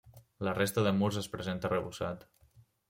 La resta de murs es presenta arrebossat.